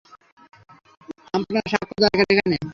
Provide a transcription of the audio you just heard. আপনার সাক্ষর দরকার এখানে।